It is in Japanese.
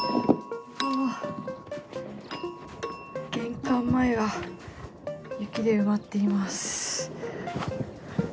玄関前は雪で埋まっています。